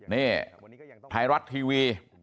นี่ไทยรัฐทีวี